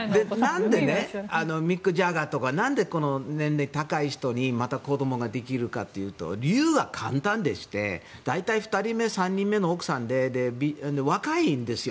なんでミック・ジャガーとかなんで年齢が高い人に子どもができるかというと理由は簡単でして大体２人目、３人目の奥さんで若いんですよ